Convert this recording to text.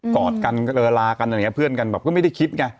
กอดกันลาลากันเพื่อนกันแบบก็ไม่ได้คิด